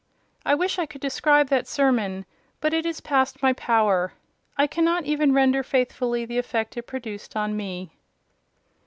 I wish I could describe that sermon: but it is past my power. I cannot even render faithfully the effect it produced on me.